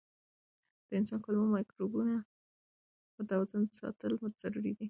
د انسان کولمو مایکروبیوم متوازن ساتل ضروري دي.